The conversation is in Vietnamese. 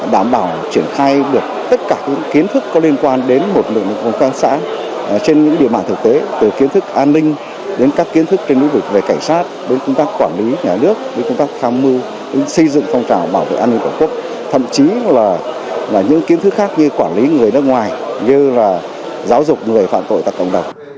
đào tạo truyền khai được tất cả những kiến thức có liên quan đến một lượng công tác xã trên những địa mạng thực tế từ kiến thức an ninh đến các kiến thức trên nguyên vực về cảnh sát đến công tác quản lý nhà nước đến công tác tham mưu xây dựng phong trào bảo vệ an ninh của quốc thậm chí là những kiến thức khác như quản lý người nước ngoài như là giáo dục người phạm tội tạc cộng đồng